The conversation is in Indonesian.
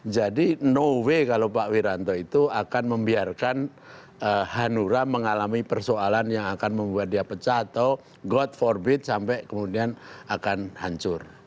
jadi no way kalau pak wiranto itu akan membiarkan hanura mengalami persoalan yang akan membuat dia pecah atau god forbid sampai kemudian akan hancur